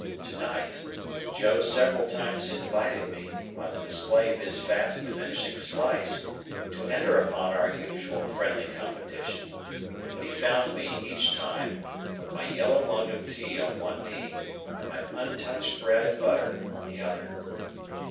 To night, Joe several times invited me, by the display of his fast diminishing slice, to enter upon our usual friendly competition; but he found me, each time, with my yellow mug of tea on one knee, and my untouched bread and butter on the other.